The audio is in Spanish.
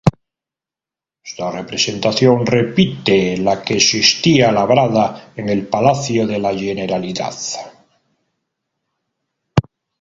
Esta representación repite la que existía labrada en el Palacio de la Generalidad.